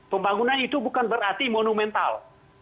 pembangunan itu bukan berarti monumental